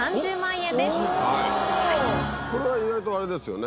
はいこれは意外とあれですよね。